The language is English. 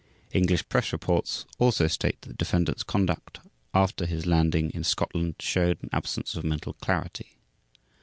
English press reports also state that defendant's conduct after his landing in Scotland showed an absence of "mental clarity".